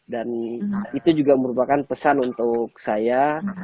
dan itu juga merupakan pesan untuk saya